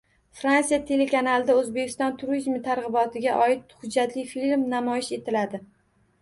Fransiya telekanalida O‘zbekiston turizmi targ‘ibotiga oid hujjatli film namoyish etiladi